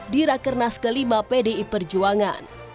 dirakernas kelima pdi perjuangan